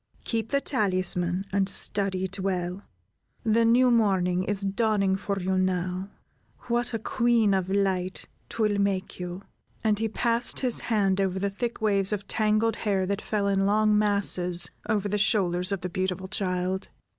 Keep the talisman, and study it well. The new morning is dawning for you now; what a queen of light 'twill make you?" And he passed his hand over the thick waves of tangled hair that fell in long masses over the shoulders of the beautiful child.